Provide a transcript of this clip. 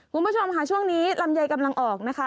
คุณผู้ชมค่ะช่วงนี้ลำไยกำลังออกนะคะ